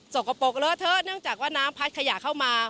กปรกเลอะเทอะเนื่องจากว่าน้ำพัดขยะเข้ามา